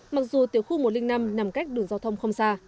mặc dù tiểu khu một trăm linh năm nằm cách đường giao thông không xa